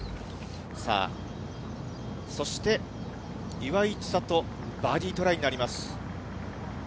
さあ、そして岩井千怜、バーディートライになります。